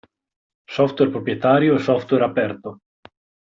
Software proprietario e software aperto.